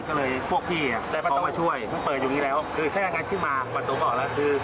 ก็เลยพวกพี่อ่ะได้ว่าต้องมาช่วยเพิ่งเปิดอยู่อย่างงี้แล้วคือแค่งั้นขึ้นมาประตูก็ออกแล้วคือ